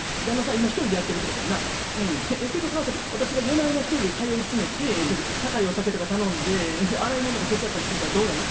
今一人でやってるってことやんな。ってことは私が夜な夜な一人で通い詰めて高いお酒とか頼んで洗い物とか手伝ったりしてみたらどうなる？